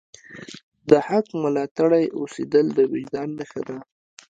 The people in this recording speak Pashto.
د حق ملاتړی اوسیدل د وجدان نښه ده.